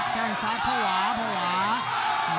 พอหวาพอหวา